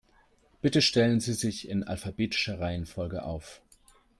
Bitte stellen Sie sich in alphabetischer Reihenfolge auf.